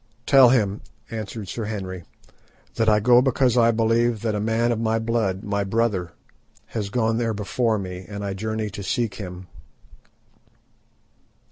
"Tell him," answered Sir Henry, "that I go because I believe that a man of my blood, my brother, has gone there before me, and I journey to seek him."